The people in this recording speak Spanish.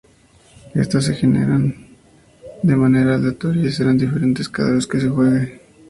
Estas se generan de manera aleatoria y serán diferentes cada vez que se juegue.